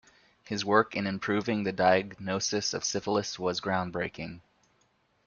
His work in improving the diagnosis of syphilis was groundbreaking.